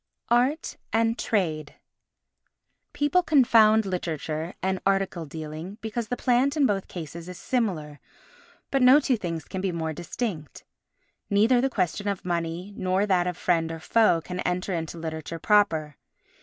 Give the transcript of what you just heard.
Art and Trade People confound literature and article dealing because the plant in both cases is similar, but no two things can be more distinct. Neither the question of money nor that of friend or foe can enter into literature proper.